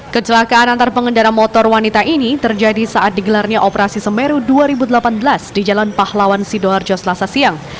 kecelakaan antar pengendara motor wanita ini terjadi saat digelarnya operasi semeru dua ribu delapan belas di jalan pahlawan sidoarjo selasa siang